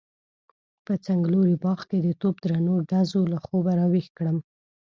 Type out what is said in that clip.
په څنګلوري باغ کې د توپ درنو ډزو له خوبه راويښ کړم.